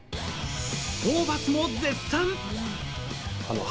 ホーバスも絶賛。